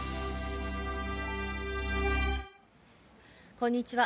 こんにちは。